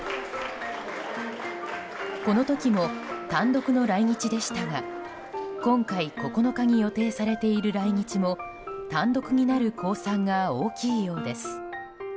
この時も単独の来日でしたが今回、９日に予定されている来日も単独になる公算が大きいようです。